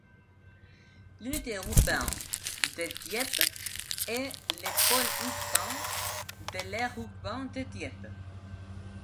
L'unité urbaine de Dieppe est le pôle urbain de l'aire urbaine de Dieppe.